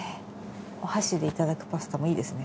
お箸でいただくパスタもいいですね